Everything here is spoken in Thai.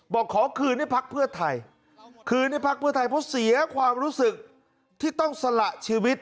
บอกขอคืนให้พักเพื่อไทยเพราะเสียความรู้สึกที่ต้องสละชีวิต